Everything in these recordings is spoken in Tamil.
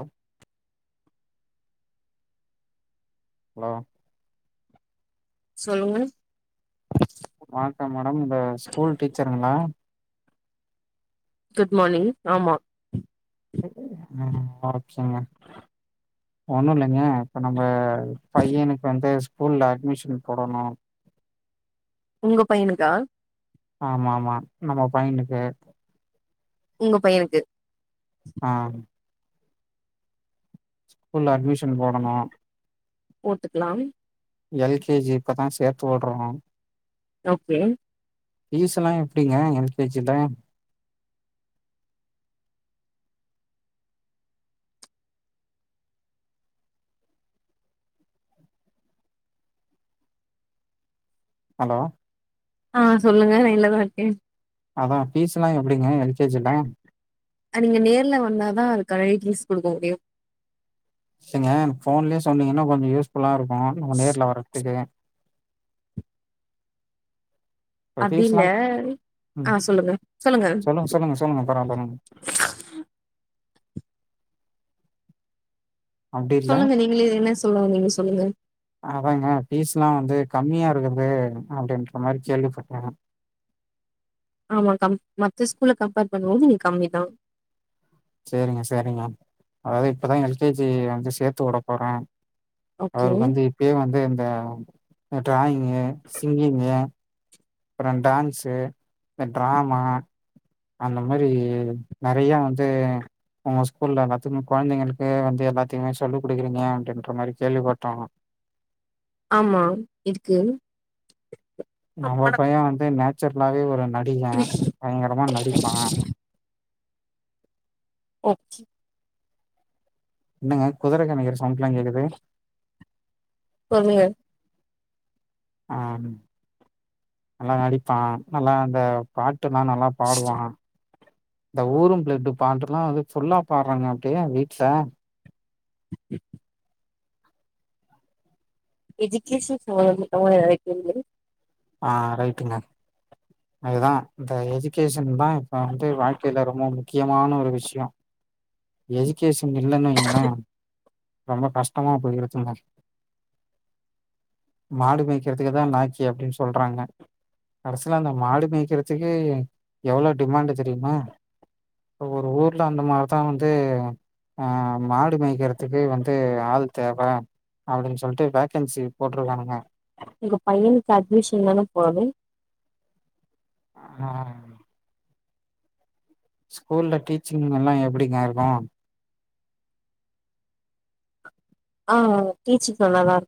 ஆம் ஹலோ சொல்லுங்க வணக்கம் மேடம் இந்த ஸ்கூல் டீச்சருங்ளா குட் மார்னிங் ஆமா ஆ ஆச்சுங்க ஒண்ணும் இல்லைங்க இப்ப நம்ம பையனுக்கு வந்து ஸ்கூல்ல அட்மிஷன் போடணும் உங்க பையனுக்கா ஆமாம்மா நம்ம பையனுக்கு உங்க பையனுக்கு ஆ ஸ்கூல்ல அட்மிஷன் போடணும் போட்டுக்கலாம் எல் கே ஜி இப்பதான் சேர்த்து விடுறோம் நா ஓகே பீஸ்ல்லாம் எப்டிங்க எல் கே ஜி ல ஹலோ அ சொல்லுங்க லைன்ல தான் இருக்கேன் அதான் பீஸ் எல்லாம் எப்டிங்க எல் கே ஜில அது நீங்க நேர்ல வந்தா தான் அதுக்கான டீடெய்ல்ஸ் குடுக்க முடியும் இல்லங்க போன்லயே சொன்னீங்கன்னா கொஞ்சம் யூஸ்ஃபுல்ல இருக்கும் நாங்க நேர்ல வர்றதுக்கு இப்ப அப்டில்ல ஃபீஸ்லா ம் அ சொல்லுங்க சொல்லுங்க சொல்லுங்க பரவால்ல மேம் அப்டி இல்ல சொல்லுங்க நீங்களே என்ன சொல்ல வந்தீங்க சொல்லுங்க அதாங்க ஃபீஸ்ல்லாம் வந்து கம்மியா இருக்குது அப்டின்ற மாதிரி கேள்விப்பட்ட ஆமா கம் மத்த ஸ்கூல்ல கம்பேர் பண்ணும்போது இங்க கம்மி தான் சேரிங்க சேரிங்க அதாவது இப்பதான் எல் கே ஜி வந்து சேர்த்து விட போற ஓகே அவருக்கு வந்து இப்பயே வந்து இந்த டிராயிங்கு சிங்கிங்கு அப்பறோ டான்ஸு இந்த டிராமா அந்த மாரி நறைய வந்து உங்க ஸ்கூல்ல எல்லாத்துக்குமே கொழந்தைங்களுக்கு வந்து எல்லாத்தையுமே சொல்லி கொடுக்குறீங்க அப்டின்ற மாரி கேள்விப்பட்டோம் ஆமா இருக்கு நம்ம பையன் வந்து நேச்சுரலாவே ஒரு நடிகன் பயங்கரமா நடிப்பான் ஓகே என்னங்க குதிரை கணைக்கும் சவுண்ட்ல்லாம் கேக்குது சொல்லுங்க ஆ நல்லா நடிப்பான் நல்லா அந்த பாட்டுல்லாம் நல்லா பாடுவா இந்த ஊரும் பிளட்டு் பாட்லாம் வந்து ஃபுல்லா பாடுறாங்க அப்டியே வீட்ல ஹ [inaudible] எஜுக்கேஷன் சம்மந்தமா எதாவது கேளுங்க அ ரைட்டுங்க அதுதான் இந்த எஜுகேஷன் தான் இப்போ வந்து வாழ்க்கையில ரொம்ப முக்கியமான ஒரு விஷயோ எஜுகேஷன் இல்லைன்ன வைங்கள ரொம்ப கஷ்டமா போயிருக்குங்க மாடு மேய்க்கிறதுக்குதான் லாக்கி அப்டின்னு சொல்றாங்க கடைசில அந்த மாடு மேய்க்கறதுக்கு எவ்ளோ டிமாண்டு் தெரியுமா இப்ப ஒரு ஊர்ல அந்த மாரிதான் வந் து ஆ மாடு மேய்க்கிறதுக்கு வந்து ஆள் தேவ அப்டின்னு சொல்லிட்டு வேக்கன்சி போட்டிருக்கானுங்க உங்க பையனுக்கு அட்மிஷன் தான போது. அதா. ஸ்கூல்ல டீச்சிங் எல்லா எப்டிங்க இருக்கு? ஆ டீச்சிங் நல்லாதாரு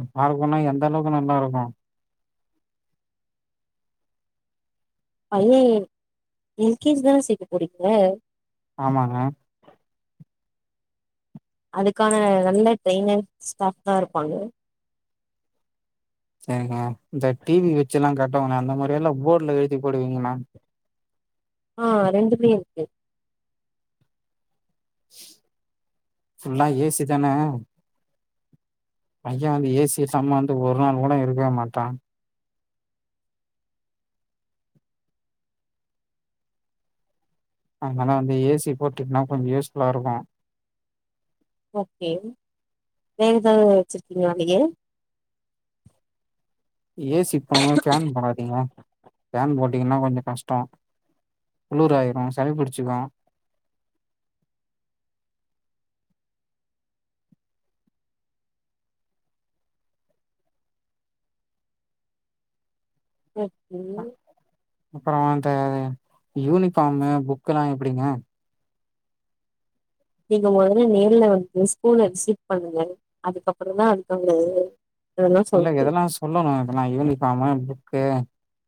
நல்லாருக்குனா எந்த அளவுக்கு நல்லாருக்கு? அய்யய்யய் எல் கே ஜி தான சேக்க போறீங்க? ஆமாங்க. அதுக்கான நல்ல ட்ரெய்னர் ஸ்டாஃப் தா இருப்பாங்க. அ ஹ இந்த டி வி வெச்சல்லா கட்டவனே அந்தமாரி எல்லா போட்ல எழுதி போடுவீங்களான் ஆ ரெண்டுமே இருக்கு. ஃபுல்லா ஏ சி தான. பைய வந்து ஏ சி சம்ம வந்து ஒரு நாள் கூட இருக்கவே மாட்டா. அதனால வந்து ஏ சி போட்டுட்னா கொஞ்சோ யூஸ்ஃபுல்லாருக்கு. ஓகே வேற எதாவது வெச்சிருக்கிங்ளா நீங்க? ஏ சி போடும் போது ஃபேன் போடாதீங்க. ஃபேன் போட்டிங்கன்னா கொஞ்சோ கஷ்டோ. குளுராயிரு சளி பிடிச்சுக்கு. ஓகே. அப்புறோ அந்த யூனிஃபாமு புக்கல்லா எப்பிடிங்க? நீங்க மொதல்ல நேர்ல வந்து ஸ்கூல விசிட் பண்ணுங்க அதுக்கப்பறந்தா அதுக்கு அங்க இல்லங்க இதெல்லா சொல்லணு இதெல்லா யூனிஃபாமு புக்கு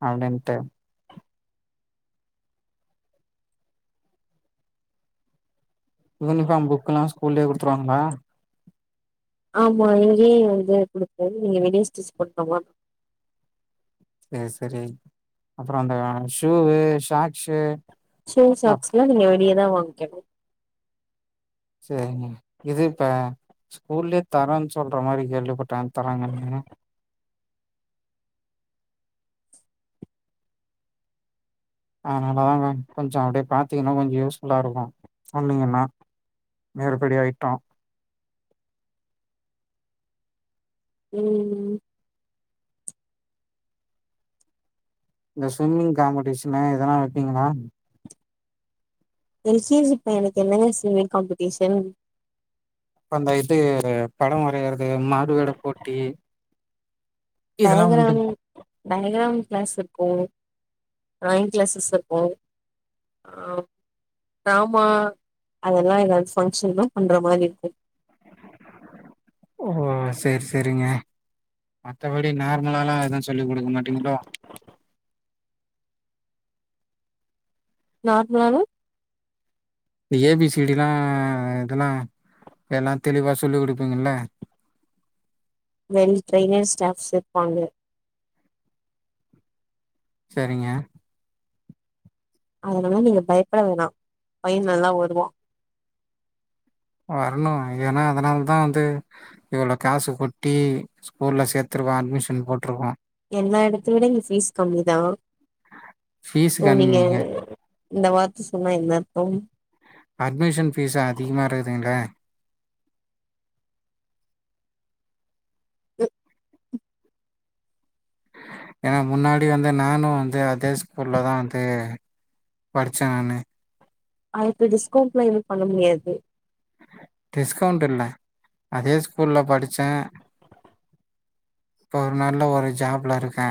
அப்டின்ட்டு யூனிஃபாம் புக்கெல்லா ஸ்கூல்லியே குடுத்துருவாங்ளா? ஆமா இங்கியே வந்து குடுக்கது நீங்க வெளிய ஸ்டிச் பண்ண மார்ரு செ செரி அப்புறோ அந்த ஷூவு ஷாக்ஷு ஷூ சாக்ஸ் எல்லா நீங்க வெளியதா வாய்ங்க்கணு. சேரிங்க இது இப்ப ஸ்கூல்லியே தரான் சொல்ற மாரி கேள்விப்பட்டே தராங்கன்னு. அதனாலதா மேம் கொஞ்சோ அப்டியே பாத்தீங்கன்னா கொஞ்சோ யூஸ்ஃபுல்லா இருக்கு சொன்னீங்கன்னா. மேறுபடி ஐட்டோ. ம் ம். இந்த ஸ்விம்மிங் காம்படிஷனு எதனா வெப்பீங்களா? எல் கே ஜி பையனுக்கு என்னங்க ஸ்விம்மிங் காம்படிஷன்? இப்ப அந்த இது படோ வரையறது மாறுவேட போட்டி. இதெல்லா டயகிராம் உண்டுங்களா டயகிராம் கிளாஸ் இர்க்கு. டிராயிங் கிளாஸஸ் இருக்கு. ஆ டிராமா அதெல்லா எதாவ்து ஃபங்க்ஷன்னா பண்ற மாரி இருக்கு. ஓ ஹோ சேர் சேரிங்க மத்தபடி நார்மலால்லா எது சொல்லி குடுக்க மாட்டீங்களோ? நார்மலானா? ந்த ஏ பி சி டி லா இதெல்லா எல்லா தெளிவா சொல்லி குடுப்பீங்கல்ல. வெல் ட்ரெய்னர் ஸ்டாஃப்ஸ் இர்ப்பாங்க. சரிங்க. அதனால நீங்க பயப்பட வேணா பைய நல்லா வருவா. வரணு ஏனா அதனால் தா வந்து இவ்ளோ காசு கொட்டி ஸ்கூல்ல சேத்துருக்கோ அட்மிஷன் போட்ருக்கோ. எல்லா எடத்த விட இங்க ஃபீஸ் கம்மிதா. ஃபீஸ் ஓ நீங்க கம்மிங்க இந்த வார்த்த சொன்னா என்ன அர்த்தம். அட்மிஷன் ஃபீஸு அதிகமா இருக்குதுங்ளே. ஏனா முன்னாடி வந்து நானு வந்து அதே ஸ்கூல்ல தா வந்து படிச்ச நானு ஆ இப்ப இது டிஸ்கவுண்ட் எது பண்ண முடியாது டிஸ்கவுண்ட் என்ன அதே ஸ்கூல்ல படிச்ச இப்போ ஒரு நல்ல ஒரு ஜாப்ல இருக்க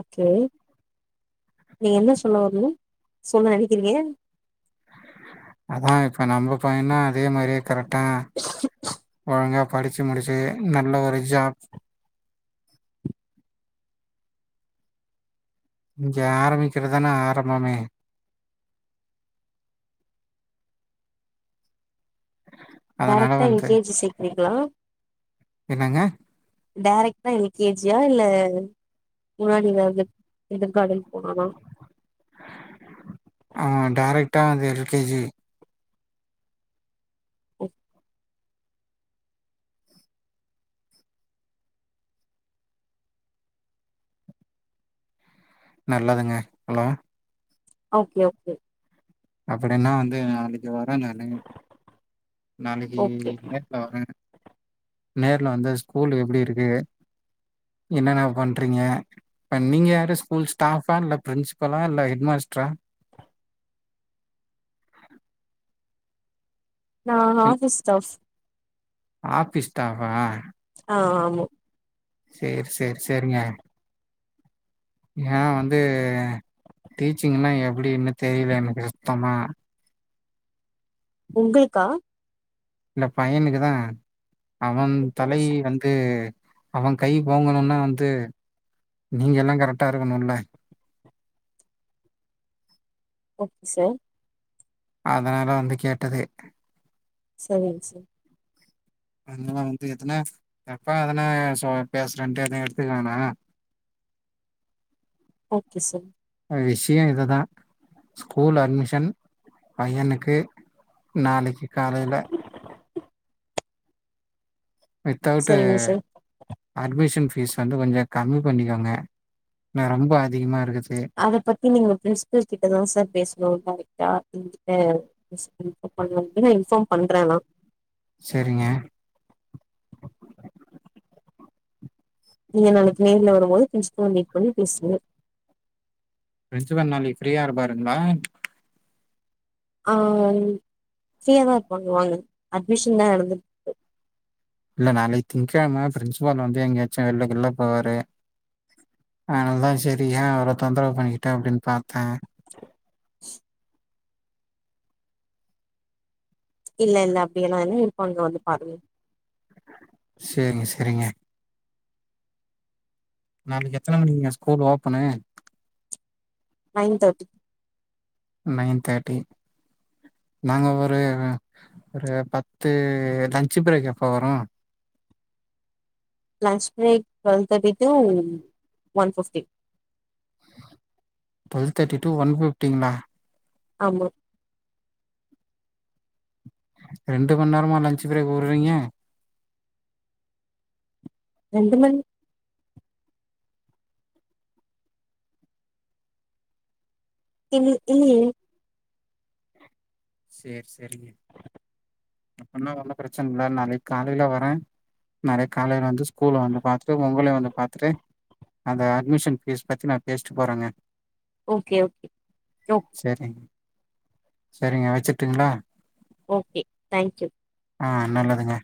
ஓகே நீங்க என்ன சொல்ல வரீங்க சொல்ல நெனைக்கிறீங்க அதா இப்ப நம்ம பையன அதே மாரியே கரெக்டா ஒழுங்கா படிச்சு முடிச்சு நல்ல ஒரு ஜாப் இங்க ஆரம்பிக்கிறதுதானா ஆரம்பமே அதனால டேரெக்ட்டா எல் வந்து கே ஜி சேக்ரிங்களா என்னங்க டேரக்டா எல் கே ஜி யா இல்ல முன்னாடி எதாவது லிட்டில் கார்டன் போனானா ஆ டேரக்ட்டா அந்த எல் கே ஜி ஓ நல்லதுங்க ஹலோ ஓகே ஓகே அப்டின்னா வந்து நாளைக்கு வரன் நானு நாளைக்கு ஓகே லீவுல வர நேர்ல வந்து ஸ்கூல் எப்டி இருக்கு என்னென்ன பண்றீங்க இ நீங்க யாரு ஸ்கூல் ஸ்டாஃபா இல்ல பிரின்சிபலா இல்ல ஹெட்மாஸ்டரா [inaudible] நா ஆஃபிஸ் ஸ்டாஃப் ஆஃபிஸ் ஸ்டாஃப் ஆ ஆ ஆமா சேர் சேர் செரிங்க நா வந்து டீச்சிங்னா என்ன எப்டின்னு தெரில எனக்கு சுத்தமா உங்களுக்கா இல்ல பையனுக்கு தா அவன் தலை வந்து அவன் கை ஓங்கணுன்னா வந்து நீங்க எல்லா கரெக்டா இருக்கணுல ஓகே சார் அதனால வந்து கேட்டது செரிங் சார் அதல்லா வந்து எதுனா தப்பா எதனா பேசுறன்ட்டு எடுத்துக்க வேனா ஓகே சார் அ விஷிய இது தா ஸ்கூல் அட்மிஷன் பையனுக்கு நாளைக்கு காலைல வித்தௌவுட்டு சரிங்க சார் அட்மிஷன் ஃபீஸ் வந்து கொஞ்சோ கம்மி பண்ணிக்கோங்க ந ரொம்ப அதிகமா இருக்குது அத பத்தி நீங்க பிரின்ஸ்ஃபல் கிட்டதா சார் பேசனு டேரக்டா பிரின்ஸ்ஃபல்ட வேனா நா இன்ஃபார்ம் பண்ற நா செரிங்க நீங்க நாளைக்கு நேர்ல வரும்போது ஃபிரின்ஸ்பல் வந்து மீட் பண்ணி பேசுங்க பிரின்சிபால் நாளைக்கு ஃப்ரீயா இருப்பாருங்ளா ஆ ஃப்ரீயா தா இருப்பாங்க வாங்க அட்மிஷன் தா நடந்து இல்ல நாளைக்கு திங்கிழம பிரின்சிபால் வந்து எங்கயாச்சு வெள்ள கிள்ள போவாரு அதனால தா சரி ஏ அவர தொந்தவு பண்ணிக்கிட்டு அப்டின்னு பாத்தேன் [inaudible] இல்லல்ல அப்படியல்லா இல்ல இருப்பாங்க வந்து பாருங்க சேரிங்க செரிங்க நாளைக்கு எத்தன மணிக்குங்க ஸ்கூல் ஓப்பனு நைன் தேட்டி நயன் தேட்டி நாங்க ஒரு ஒரு பத்து லன்ச் பிரேக் அப்போ வரோ லன்ச் பிரேக் டுவெல் தேட்டி டூ ஒன் ஃபிப்டி டுவெல் தேட்டி டூ ஒன் ஃபிப்டிங்களா ஆமா ரெண்டு மண் நேர்மா லன்சு பிரேக் உட்றீங்க ரெண்டு மணி இல் இல்லியே சேர் செரிங்க அப்பனா ஒன்னோ பிரச்சன இல்ல நாளைக்கு காலேல வரே நாளைக்கு காலைல வந்து ஸ்கூல வந்து பாத்துட்டு உங்களையும் வந்து பாத்துட்டு அந்த அட்மிஷன் ஃபீஸ் பத்தி நா பேஸ்ட்டு போறேங்க ஓகே ஓகே ஓகே செரிங் செரிங்க வச்சுட்டுங்களா ஓகே தேங்க் யூ ஆ நல்லதுங்க